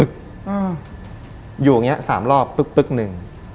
อยู่อย่างนี้๓รอบปึ๊กหนึ่ง